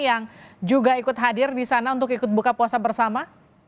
yang juga ikut hadir di sana untuk ikut buka puasa bersama